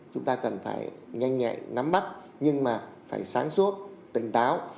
chúng ta cần phải nhanh nhẹ nắm mắt nhưng mà phải sáng suốt tỉnh táo